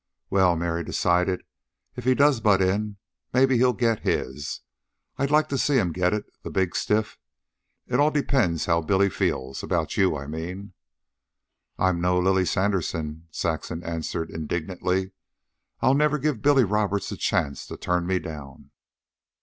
"Well," Mary decided, "if he does butt in maybe he'll get his. I'd like to see him get it the big stiff! It all depends how Billy feels about you, I mean." "I'm no Lily Sanderson," Saxon answered indignantly. "I'll never give Billy Roberts a chance to turn me down."